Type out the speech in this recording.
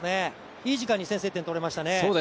いい時間に先制点取れましたね。